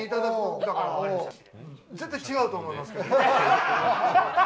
絶対違うと思いますけど。